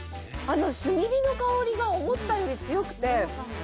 炭火の香りが思ったより強くて。